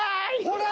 ほら！